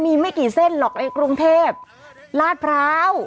มีไม่กี่เส้นหรอกในกรุงเทพลาดพร้าว